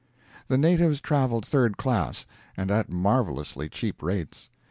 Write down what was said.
The natives traveled third class, and at marvelously cheap rates.